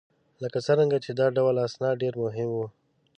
لکه څرنګه چې دا ډول اسناد ډېر مهم وه